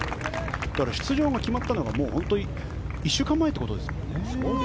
出場が決まったのが１週間前ということですね。